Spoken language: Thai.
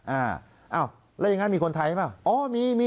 อ้าวแล้วยังงั้นมีคนไทยไหม